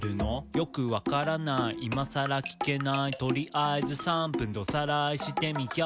「よく分からない今さら聞けない」「とりあえず３分でおさらいしてみよう」